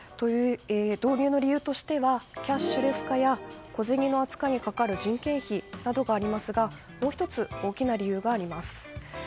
導入の理由としてはキャッシュレス化や小銭の扱いにかかる人件費などがありますがもう１つ大きな理由があります。